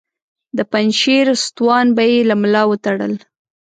د پنجشیر ستوان به یې له ملا وتړل.